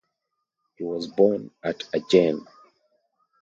He was born at Agen.